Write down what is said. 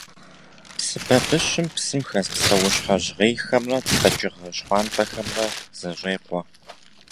Псы бабыщым псым хэс псэущхьэ жьгъейхэмрэ къэкӏыгъэ щхъуантӏэхэмрэ зэщӏекъуэ.